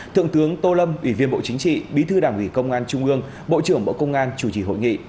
thượng tướng tô lâm ủy viên bộ chính trị bí thư đảng ủy công an trung ương bộ trưởng bộ công an chủ trì hội nghị